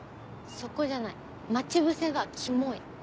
そこじゃない待ち伏せがキモい。